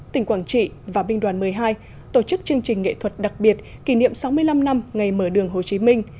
tỉnh quảng trị và binh đoàn một mươi hai tổ chức chương trình nghệ thuật đặc biệt kỷ niệm sáu mươi năm năm ngày mở đường hồ chí minh